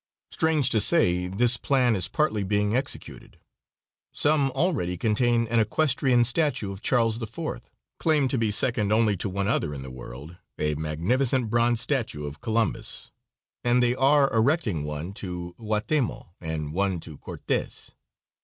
Strange to say this plan is partly being executed. Some already contain an equestrian statue of Charles IV., claimed to be second only to one other in the world; a magnificent bronze statue of Columbus, and they are erecting one to Guatemoc and one to Cortes.